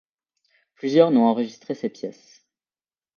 Plusieurs n'ont enregistré ses pièces.